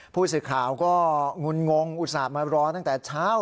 ผู้สื่อข่าวก็งุนงงอุตส่าห์มารอตั้งแต่เช้า